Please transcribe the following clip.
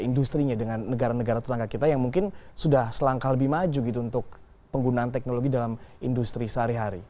industri nya dengan negara negara tetangga kita yang mungkin sudah selangkah lebih maju gitu untuk penggunaan teknologi dalam industri sehari hari